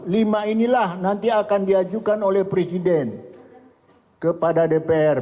lima inilah nanti akan diajukan oleh presiden kepada dpr